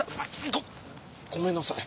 ごごめんなさい。